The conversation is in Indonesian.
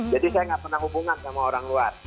jadi saya gak pernah hubungan sama orang luar